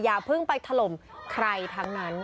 อย่าเพิ่งไปถล่มใครทั้งนั้น